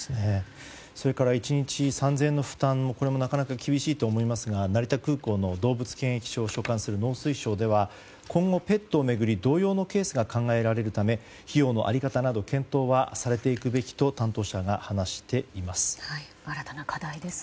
それから１日３０００円の負担もこれもなかなか厳しいと思いますが成田空港の動物検疫所を所管する農水省では今後ペットを巡り同様のケースが考えられるため費用の在り方など検討はされていくべきと担当者が話しています。